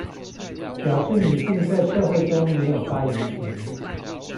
表示女性在社會中沒有發言權